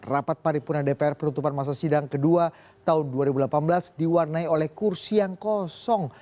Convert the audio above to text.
rapat paripurna dpr penutupan masa sidang kedua tahun dua ribu delapan belas diwarnai oleh kursi yang kosong